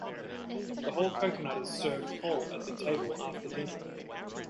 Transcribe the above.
The whole coconut is served whole at the table after dinner.